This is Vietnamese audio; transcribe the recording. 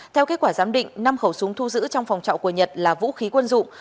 theo kết quả giám định năm khẩu súng thu giữ trong phòng trọ của nhật là vũ khí quân dụng